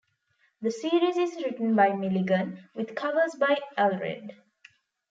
The series is written by Milligan, with covers by Allred.